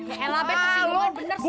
eh elah bener sih